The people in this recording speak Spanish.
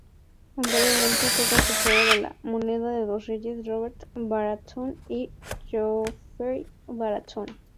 Anteriormente fue Consejero de la Moneda de los reyes Robert Baratheon y Joffrey Baratheon.